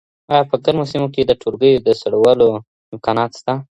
آیا په ګرمو سیمو کي د ټولګیو د سړولو امکانات سته؟